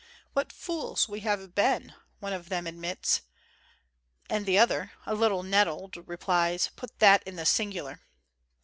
"What fools we have been !" one of them admits; and the other, a little nettled, replies, "Put that in the singu lar."